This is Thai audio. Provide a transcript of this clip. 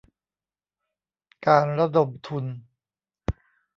การระดมทุน